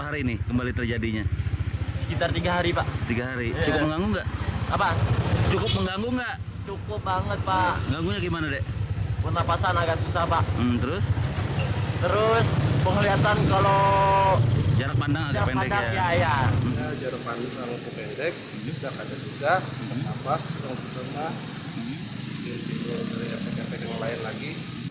jarak pandang terlalu pendek disisa kadang juga nafas terlalu penuh dan juga terlihat pek pek yang lain lagi